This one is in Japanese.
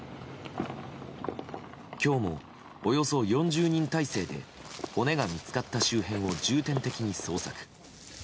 今日もおよそ４０人態勢で骨が見つかった周辺を重点的に捜索。